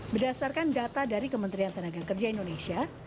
berdasarkan data dari kementerian tenaga kerja indonesia